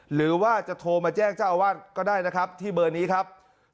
หรือว่าจะโทรมาแจ้งเจ้าอาวาสก็ได้นะครับที่เบอร์นี้ครับ